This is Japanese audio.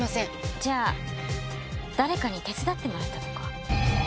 じゃあ誰かに手伝ってもらったとか？